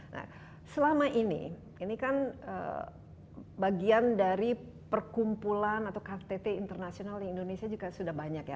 nah selama ini ini kan bagian dari perkumpulan atau ktt internasional di indonesia juga sudah banyak ya